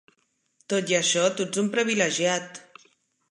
Tot i això tu ets un privilegiat.